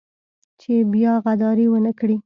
چې بيا غداري ونه کړي.